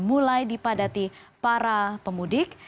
mulai dipadati para pemudik